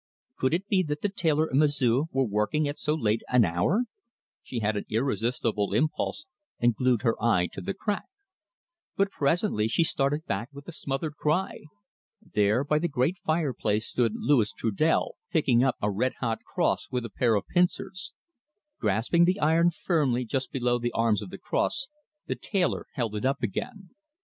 Could it be that the tailor and M'sieu' were working at so late an hour? She had an irresistible impulse, and glued her eye to the crack. But presently she started back with a smothered cry. There by the great fireplace stood Louis Trudel picking up a red hot cross with a pair of pincers. Grasping the iron firmly just below the arms of the cross, the tailor held it up again.